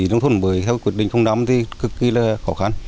chỉ nông thuận mới theo quyết định năm thì cực kỳ là khó khăn